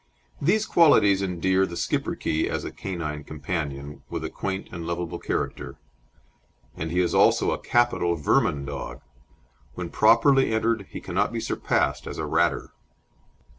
These qualities endear the Schipperke as a canine companion, with a quaint and lovable character; and he is also a capital vermin dog. When properly entered he cannot be surpassed as a "ratter."